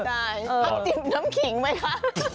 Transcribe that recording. ได้พักจิมน้ำขิงไหมคะ